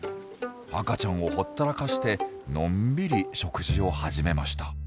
赤ちゃんをほったらかしてのんびり食事を始めました。